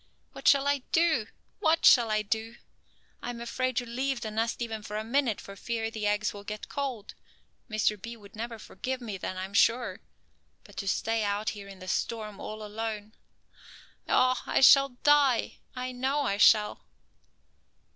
What shall I do? What shall I do? I am afraid to leave the nest even for a minute for fear the eggs will get cold. Mr. B. would never forgive me, then, I am sure. But to stay out here in the storm, all alone. Oh, I shall die, I know I shall."